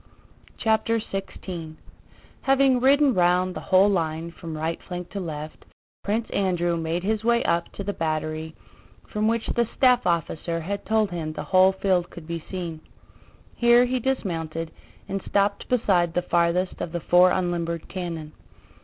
CHAPTER XVI Having ridden round the whole line from right flank to left, Prince Andrew made his way up to the battery from which the staff officer had told him the whole field could be seen. Here he dismounted, and stopped beside the farthest of the four unlimbered cannon.